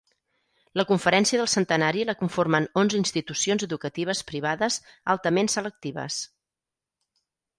La Conferència del Centenari la conformen onze institucions educatives privades altament selectives.